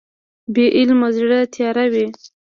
بې علمه زړه تیاره وي.